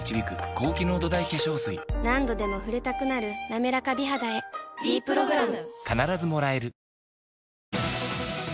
何度でも触れたくなる「なめらか美肌」へ「ｄプログラム」